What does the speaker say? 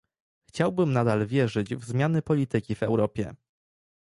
Chciałbym nadal wierzyć w zmiany polityki w Europie